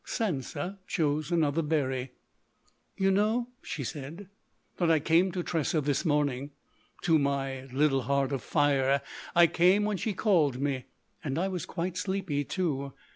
Sansa chose another berry. "You know," she said, "that I came to Tressa this morning,—to my little Heart of Fire I came when she called me. And I was quite sleepy, too.